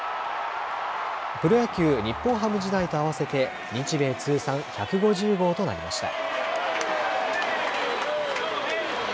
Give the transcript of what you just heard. プロ野球、日本ハム時代と合わせて日米通算１５０号となりました。